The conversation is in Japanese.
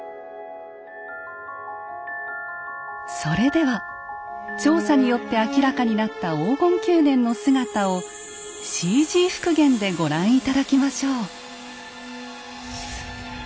それでは調査によって明らかになった黄金宮殿の姿をＣＧ復元でご覧頂きましょう。